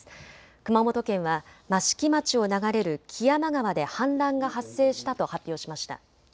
熊本県は益城町を流れる木山川で氾濫が発生したと発表しました。